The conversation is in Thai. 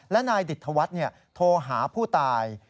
และนายดิตธวัฒน์โทรหาผู้ตาย